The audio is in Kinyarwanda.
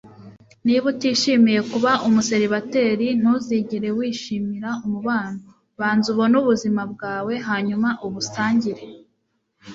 niba utishimiye kuba umuseribateri, ntuzigera wishimira umubano banza ubone ubuzima bwawe, hanyuma ubusangire